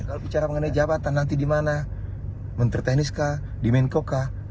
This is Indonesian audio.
kalau bicara mengenai jabatan nanti di mana menteri teknis k di menko ka